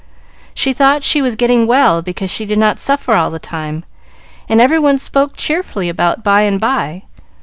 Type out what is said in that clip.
She thought she was getting well because she did not suffer all the time, and every one spoke cheerfully about "by and by."